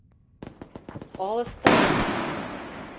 Алыҫта!